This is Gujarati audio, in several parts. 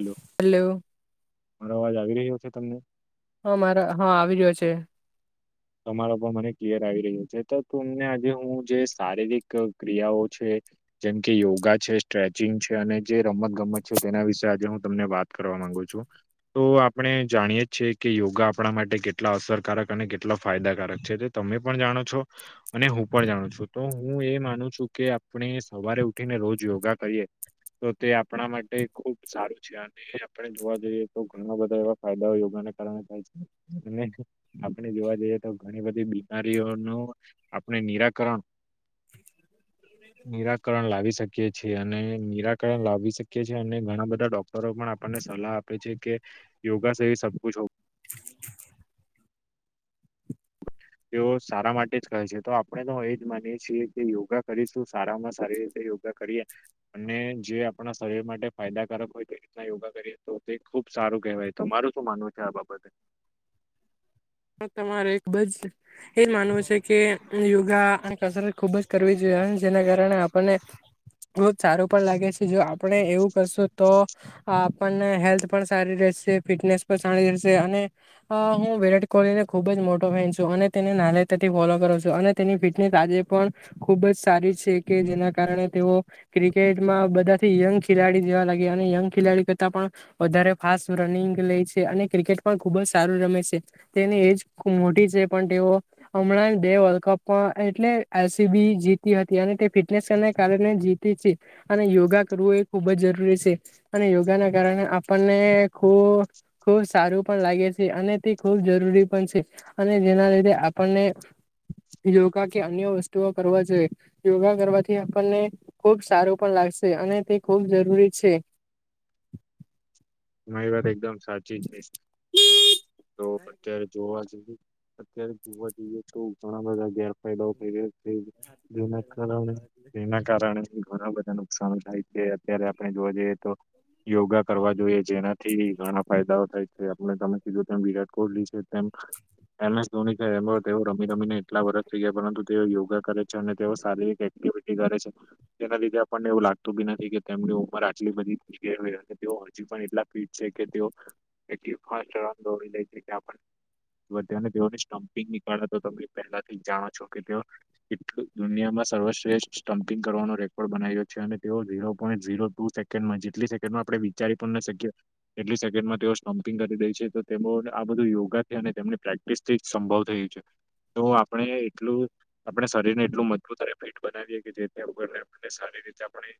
હલો હલો મારો અવાજ આવી રહ્યો છે, તમને હા, મારા હા આવી રહ્યો છે. તમારા પર મને ક્લિયર આવી રહ્યું છે, તો તમને આજે હુ, જે શારીરિક ક્રિયાઓ છે. જેમ કે યોગા છે, સ્ટ્રેચિંગ છે. અને જે રમત ગમત છે, તેના વિશે આજે હુ તમને વાત કરવાનુ આપણે જાણીએી કે યોગા આપણા માટે કેટલા અસરકારક અને કેટલો ફાયદાકારક છે. તમે પણ જાણો છો અને હું પણ જાણું છું તો હું એ માનું છું કે. આપણે સવારે ઉઠીને રોજ યોગા કરીએ તો તે આપણા માટે ખુબ સારું છે, અને આપણે જોવા જઈએ તો ઘણા બધા એવા ફાયદાઓ યોગ [inaudible] આપ જોવા જઈએ, તો ઘણી બધી બીમારીઓનું આપણે નિરાકરણ [inaudible] નિરાકરણ લાવી શકીએ છીએ. અને નિરાકરણ લાવી શકીએ છીએ અને ઘણા બધા ડોક્ટરો પણ આપ મ સલાહ આપે છે કે યોગા સ સબક હો. તેઓ સારા માટે જ કહે છે તો આપણે તો એજ માનીએ છીએ કે યોગા કરીશું સારામાં સારી રીતે. કરી અને જે આપણા શરીર માટે ફાયદાકારક હોય તે રીતના યોગા કરીએ તો તે ખૂબ. સારું કહેવાય તો મારું શું માનવું છે આ બાબતે. તમારે બજ એજ માનવું છે કે યોગા. સર ખુબ જ કરવી જોઈએ જેના કારણે આપણને. બહુ સારું પણ લાગે છે જો આપણે એવું કરશું તો આપણને હેલ્થ. પણ સારી રહેશે ફિટનેસ પણ સારી રહેશે અને હુંરા. કોને ખુબ જ મોટો ફેનું અને તેને નાતાથી ફોલો કરું છું અને તેની ફિટનેસ આજે પણ ખૂબ જ. સારી છે કે જેના કારણે તેઓ ક્રિકેટમાં બધાથી યંગ ખેલાડી જેવા લાગે અને યંગ. ખેલાડી કરતા પણ વધારે ફાસ્ટ રનિંગ લે છે અને ક્રિકેટ પણ ખુબ જ સારું રમે છે. તેની એજબ મોટી છે પણ તેઓ હમણાં ડે વર્લ્ડ કપ એટલે એસીબી. જીતી હતી અને તે ફિટનેસને કારણે જીતી છે અને યોગા કરવું એ ખુબ જ જરૂરી છે. અને યોગા ના કારણે આપણને ખ ખુબ સારું પણ લાગે છે અને તે ખૂબ જ. છે અને જેના લીધે આપણને. યોગા કે અન્ય વસ્તુઓ કરવા જોઈએ યોગા કરવાથી આપણને ખુબ સારું પણ લાગે. અને તે ખૂબ જરૂરી છે. [inaudible] મારી વાત એકદમ સાચી જ તો અત્યારે જોવા જેવું અત્યારે જોવા જઈએ તો ઘણા બધા ગેરફાયદાઓ થ્યા છે જેના કારણે એના કારણે ઘણા બધા નુકસાન થાય છે. અત્યારે આપણે જોવા જઈએ તો યોગા કરવા જોઈએ. જેનાથી ઘણા ફાયદાઓ થાય છે. આપણે તમે કીધું તેમ વિરાટ કોહલી છે તેમ એમસ ધોની છે. એ તેઓ રમી રમીને એટલા વરષ થઈ ગયા પરંતુ તેઓ યોગા કરે છે. અને તેઓ શારીરિક કરે છે. તેના લીધે પણણને એવું લાગતું બી નથી કે તેમની ઉંમર આટલી બધી ગઈ હોય અને તેઓ હજી પણ એટલા ફિટ છે કે તેઓ એટલી ફાસ્ટ રન દોડી લેય કે આપણ વધાને જોઓને સ્ટમ્પિંગ નીકળે તો તમે પહેલાથી જ જાણો છો કે તેઓ કેટલું દુનિયામાં સર્વશ્રેષઠ સ્ટમ્પિંગ કરવાનો રેકોર્ડ બનાવ્યો છે. અને તેઓ ઝીરો પોઈન્ટ ઝીરો ટુ સેકન્ડમાં જેટલી સેકન્ડમાં આપડે વિચારી પણ ના શકીએ. એટલી સેકન્ડમાં તેઓ સ્ટમ્પિંગ કરી દે છે તો તેઓ આ બધું યોગાથી અને તેમની પ્રેક્ટિસ થી સંભવ થય છે. તો આપણે એટલું આપણે શરીરને એટલું મજબૂત અને ફિટ બનાવીએે કે જેથી આપણને આપણને સારી રીતે આપણે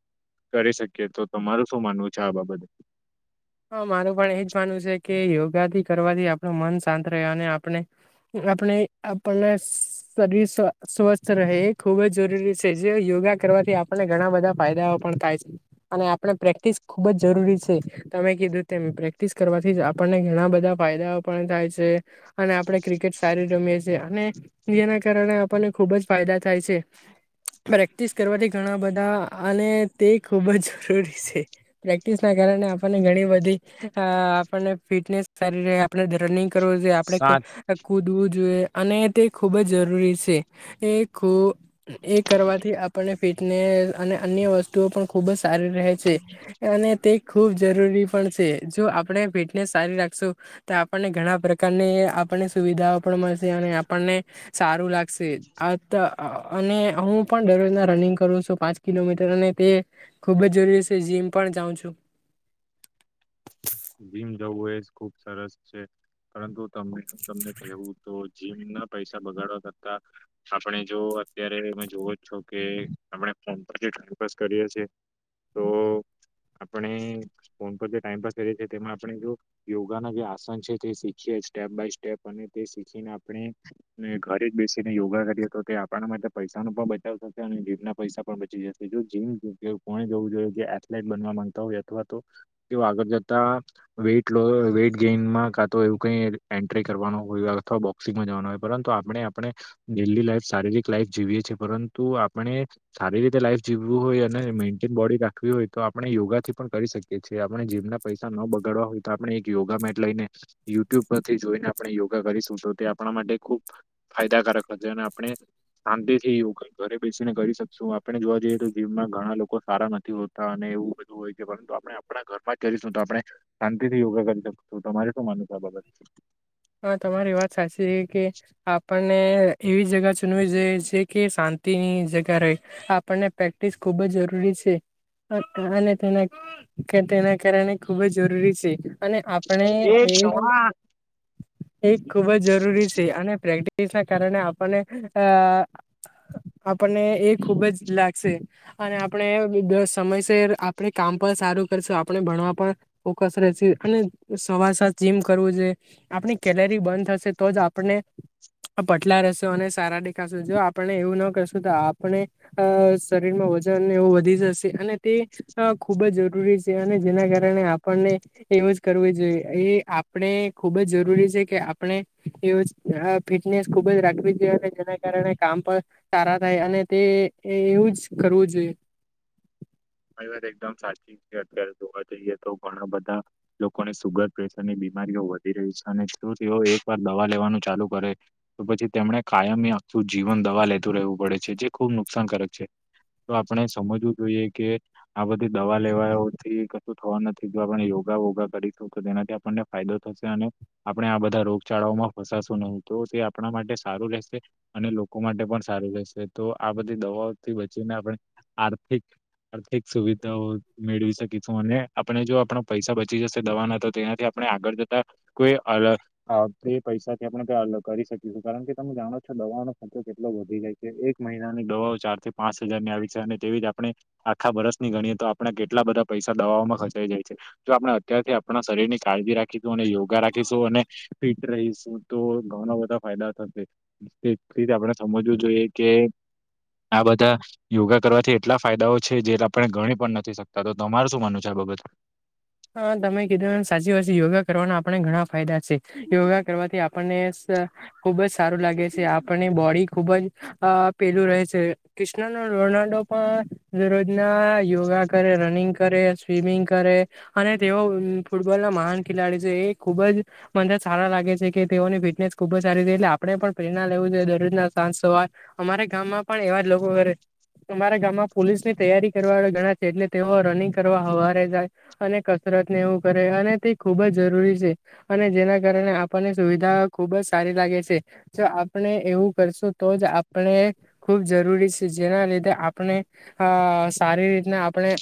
કરી શકીએ. તો તમારું શું માનવું છે આ બાબતે? હા, મારું પણ એજ માનવું છે, કે યોગાથી કરવાથી આપણું મન શાંત રહે અને આપણે આપણે આપણને શરીર સ્વસ્થ રહે, એ ખુબ જ જરૂરી છે. જે યો યોગા કરવાથી આપણને ઘણા બધા ફાયદાઓ પણ થાય છે. અને આપણે પ્રેક્ટિસ ખુબ જ જરૂરી છે. તમે કીધું તેમ પ્રેક્ટિસ કરવાથી જ આપણને ઘણા બધા ફાયદાઓ પણ થાય છે. અને આપણે ક્રિકે કેટ સારી રમીએ છે, અને ઈ એના કારણે આપણને ખુબ જ ફાયદા થાય છે. પ્રેક્ટિસ કરવાથી ઘણા બધા અને તે ખૂબ જ જરૂરી છે. પ્રેક્ટિસ ના કારણે આપ આપણને ઘણી બધી આપણને ફિટનેસ સારી રહે, આપણે રનિંગ કરવો જોઈએ, આપણે સાચું ક કૂદવું જોઈએ. અને તે ખૂબ જ જરૂરી છે. એ ખો એ કરવાથી આપણને ફિટ ને અને અન્ય વસ્તુઓ પણ ખુબ જ સારી રહે છે. અને તે ખુજ જરૂરી પણ છે. જો આપણે ફિટનેસ સારી રાખશું, તો આપણને ઘણા પ્રકારને આપણે [unintelligible] સુવિધા પણ મળશે, અને આપણને સારું લાગશે. અત અને હું પણ [unintelligible] રનિંગ કરું છું પાંચ કિલોમીટર અને તે ખુબ જ જરૂરી છે. જીમ પણ જાઉ છું. [inaudible] જીમ જવું એજ ખુબ સરસ છે. પરંતુ તમને-તમને કહેવું તો જીમ ના પૈસા બગાડવા કરતા આપણે જો અત્યારે તમે જોવો જ છો કે આપણે ફોન પર જે ટાઈપપાસ કરીએ છીએ. તો આપણે ફોન પર જે ટાઈમ પાસ. કરીએ છીએ. તેમાં આપણે જો યોગાના જે આસન છે, તે શીખીએ સ્ટેપ બાય સ્ટેપ અને તે શીખીને આપણે. ને ઘરે જ બેસીને યોગા કરીએ તો તે આપણા માટે પૈસા ન પણ બચાવ થશે. અને જીભના પૈસા પણ બચી જશે. જો જીમ કોને જવું જોઈએ કે એથલેટ બનવા માંગતા હોય અથવા તો તેઓ આગળ જતા. તા--વેટ લો વેટ ગેઈનમાં કા તો એવું કઈ એન્ટ્રી કરવાનું અથવા બોક્સિંગ. જવાનું હોય પરંતુ આપણે આપણે ડેલી લાઇફ શારીરિક લાઈફ જીવીએ છીએ. પરંતુ આપણે સારી રીતે લાઈફ જીવું હોય અને મેન્ટેન બોડી રાખવી હોય તો આપણે યોગાથી પણ કરી શકીએ છીએ. આપણે જીમના પૈસા ન બગાડવા હોય તો આપણે એક યોગા મેટ લઈને યુટ્યુબ પરથી જોઈને આપણે યોગા કરીશું તો તે આપ ણા માટે ખૂબ ફાયદાકારક બનશે અને આપણે શાંતિ થીયોગ ઘરે બેસીને કરી શકશું. આપણે જોવા જઈએ તો જીવમાં ઘણા લોકો સારા નથી હોતા અને એવું બધું હોય છે. પરંતુ આપણે આપણા ઘરમાં જ. તો આપણે શાંતિ થી યોગા કરી શકશું. તમારે શું માનું છે? આ બાબત? હા તમારી વાત સાચી છે કે આપણ. ને એવી જગા ચૂનવીઈ છે કે શાંતિનીજગા રે આપણને પ્રેક્ટિસ ખુબ. જરૂરી છે--અને તેના તેના કારણે ખૂબ જ જરૂરી છે. અને આપણે એ. એ ખૂબ જ જરૂરી છે. અને પ્રેક્ટિસ ના કારણે આપને અ. આપણને એ ખુબ જ લાગશે અને આપણે [unintelligible] સમયસર આપણે કામ પર. સારું કરસુ આપણે ભણવા ફોકસ રે સે અને સવાર સાંજ જીમ કરવું જોઈ, આપણી કેલરી બંધ થશે તો જ આપણે પટલા રહેશો અને સારા દેખાશું જો આપણે એવું ના કરશું તો આપણે શરીરમાં જવ વધી જશે અને તે ખુબ જ જરૂરી છે અને જેના કારણે આપણને એ જ યુઝડ કરવું જોએ એ આપણે ખુબ જ જરૂરી છે કે આપણે એવ ફિટનેસ ખુબ જ રાખવી જોઈએ જેના કારણે કામ પણ સારા થાય અને તે એવું જ કરવું જોઈએ. [unintelligible] વાત એકદમ સાચી છે, અત્યારે જોવા જઈએ તો ઘણા બધા લોકોને સુુગર પ્રેશરને બીમારીઓ વધી રહી છે અને જો તેઓ એક વાર દવા લેવાનું ચાલુ કરે તો પછી તેમને કાયમી જીવન દવા લેતું રહેવું પડે છે જે ખુબ નુકસાનકારક છે તો આપણે સમજવું જોઈએ કે આ બધી દવા લેવાથી કશું થવા નથી, જો આપણે યોગા વોગા કરીશું તો તેનાથી આપણને ફાયદ [inaudible] અને આપણે આ બધા રોગચાળાઓમાં ફસાશું નહી તો તે આપણા માટે સારું રહેશે, લોકો માટે પણ સારું રહેશે તો આ બધી દવાઓથી બચીને આપણે આર્થિક આર્થિક સુવિધાઓ મેળવી શકીશું અને આપણે જો આપણ પૈસા બચી જશે દવાના તો તેનાથી આપણે આગળ જતા કોઈ પૈસાથી આપણેલગ કરી શકીશું કારણ કે તમે જાણો છો દવાનો ખર્ચો કેટલો વધી જાય છે, એક મહિનાની દવાઓ ચાર થી પાંચ હજાર ની આવી છે અને તેવીજ આપણે આખા વર્ષની ગણીએ તો આપણે કેટલા બધા પૈસા દવાઓમાં ખર્ચાઈ જાય છે જો આપણે અત્યારથી આપણા શરીરની હ રાખીું અને યોગા રાખીશું અને ફિટ રહીશું તો ઘઉના બધા ફાયદા થશે તે રીતે આપણે સમજવું જોઈએ કે આ બધા યોગા કરવાથી એટલા ફાયદાઓ છે, જે આપણે ગણી પણ નથી શકતા તો તમાર શું માનું છે આ બાબત? હા, તમે કીધું સાચી વાત છે યોગા કરવાના આપણે ઘણા ફાયદા છે, યોગા કરવાથી આપણને ખુબ જ સારું લાગે છે. આપણની બોડી ખુબજ પેલું રહે છે કૃષ્ણ ન રોનાલ્ડો પણ દરરોજ ના યોગા કરે રનિંગ કરે સ્વિમિંગ કરે. અને તેઓ ફૂટબોલ ના મહાન ખેલાડી છે એ ખુબ જ મને સારા લાગે છે કે તેઓને ફિટનેસ ખુબ જ સારી એટલે આપણે પણ પ્રેરણા લેવીું જોઈએ દરરોજના સાંજ સવાર અમારે ગામમાં પણ એવા જ લોકો કરે તમારા ગામમાં પોલીસ ની તૈયારી કરવા વાળા ઘણા છે એટલે તેઓ રનિંગ કરવા હવારે જાય અને કસરત ને એવું કરે અને તે ખુબ જ જરૂરી છે, અને જેના કારણે આપણને સુવિધા ખુબ જ સારી લાગે છે, જો આપણે એવું કરશું તો જ આપણે ખુબ જરૂરી જેના લીધે આપણે અ સારી રીતના આપણે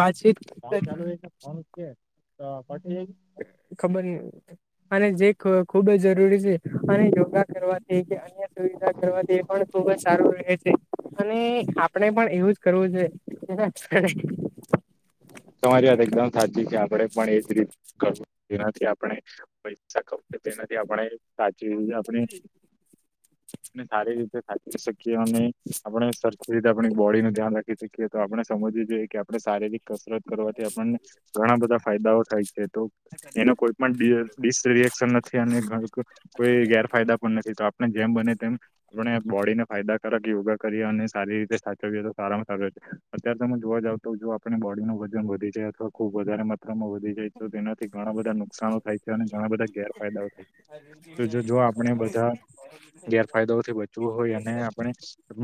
વાતચીત. ફોન ચાલુ રે છે. ફોન છે, તો પછી ખબર ની, અને જે ખુ ખુબ જ જરૂરી છે, અને યોગા કરવાથી અન્ય સુવિધા કરવાથી એ પણ ખુબ જ સારું રહે છે. અને આપણે પણ એવું જ કરવું જોઈએ, તેના [inaudible] તમારી વાત એકદમ સાચી છે આપણેે પણ એજ રીત [unintelligible] તેનાથી આપણે સાચુ એવુંય આપણે ને સારી રીતે સાચવી શકીએ, અને આપણે સરખી રીતે આપણી બોડીનું ધ્યાન રાખી શકીએ, તો આપણે સમ પછી જોઈએ કે આપડે શારીરિક કસરત કરવાથી આપણને ઘણા બધા ફાયદાઓ થાય એતો એનો કોઈ પણ ડી-ડીસરિએક્શન નથી અને [unintelligible] કોઈ ગેરફાયદા પણ નથી. તો આપણે જેમ બને તેમ વણ બોડીને ફાયદાકારક યોગા કરીએ અને સારી રીતે સાચવીએ તો સારામાં સારુ રે, અત્યારે તમે જોવા જાવ તો તો આપણે બોડીનું વજન વધી જાય અથવા ખુબ વધારે માત્રામાં વધી જાય તો તેનાથી ઘણા બધા નુકસાનો થાય છે, અને ઘણા બધા ગેરફાયદાઓ થાય. તો જો જો આપણે બધા ગેરફાયદાઓથી બચવું હોય અને આપણે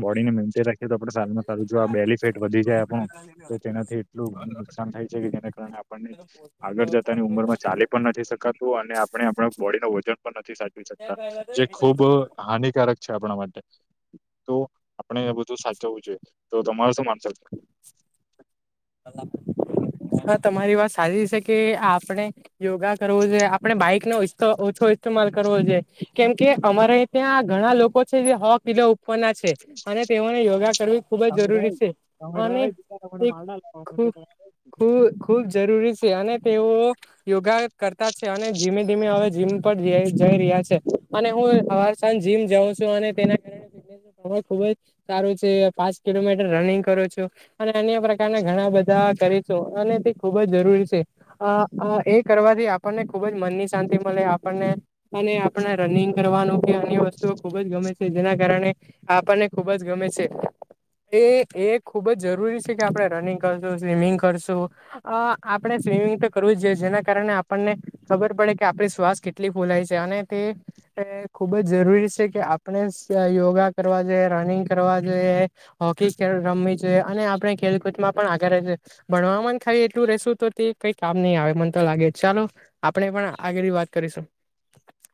બોડીને મેન્ટેન રાખીએ તો આપડે સારુંમાં સારું જો બેલીફિટ વધી જાય આપણું, તો તેનાથી એટલુ નુકસાન થાય છે કે જેને કારણે આપણને આગળ જત પોતાની ઉંમરમાં ચાલી પણ નથી શકાતું, અને આપણે આપણા બોડીનું વજન પણ નથી સાચવી શકતા. જે ખૂબ હાનિકારક છે, આપણા માટે તો આપણે એ બધું સાચવવું જોઈએ તો તમારું શું માનસ. [inaudible] હા તમારી વાત સાચી છે કે આપણે યોગા કરવું જોએ આપણે બાઈક નો [unintelligible] ઓછો કરવો જોઈએ કેમકે અમારે ત્યાં ઘણા લોકો છે જે હો પીલા ઉપરના છે અને. તેઓને યોગા કરવી ખૂબ જ જરૂરી છે અને તે [unintelligible] ખૂબ ખૂ ખૂબ જરૂરી છે અને તેઓ યોગા કરતા. અને ધીમે ધીમે હવે જીમ પર જઈ જઈ રહ્યા છે અને હું હવાર સાંજ જીમ જાઉં છું અને તેના કારણે. [unintelligible] ખુબ જ સારું છે પાંચ કિલોમીટર રનિંગ કરું છું અને અન્ય પ્રકારના. ઘણા બધા કરી છો અને તે ખુબ જ જરૂરી છે અ એ કરવાથી આપણને ખુબ જ મ. મનની શાંતિ મલે આપણને અને આપને રનિંગ કરવાનું કે અન્ય વસ્તુઓ ખુબ જ ગમે છે, જેના કા રણે આપણને ખૂબ જ ગમે છે, એ એ ખૂબ જ જરૂરી છે, કે આપણે રનિંગ સ્વિમિંગ કરશુ અ આપણે સ્વિમિંગ તો કરવું જોએ જેના કારણે આપણને ખબર પ કે આપણી શ્વાસ કેટલી ફૂલાય છે અને તે ખૂબ જ જરૂરી છે કે આપણે. યોગા કરવા જોઈએ રનિંગ કરવા જોઈએ હોકી રમવી જોઈએ અને આપણે ખેલકૂદમાં. પણ આગળ રે જોઈએ ભણવામાં ખાય એટલું રસું તો તે કઈ કામ નહી આવે મને તો લાગે ચાલો આપડે. પણ આગળ વાત કરીશું. [inaudible]